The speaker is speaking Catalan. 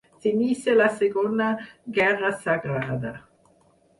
S'inicia la Segona Guerra Sagrada.